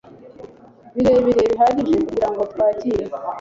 birebire bihagije kugirango twakire